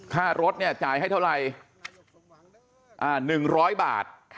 ค่ารถเนี่ยจ่ายให้เท่าไหร่๑๐๐บาท